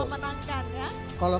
karena memenangkan kan